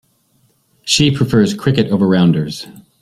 She prefers cricket over rounders.